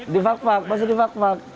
di fakfak masih di fakfak